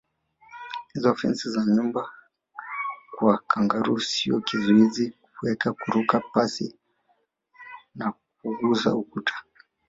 Hizo fensi za nyumba kwa kangaroo sio kizuizi huweza kuruka pasi na kugusa ukuta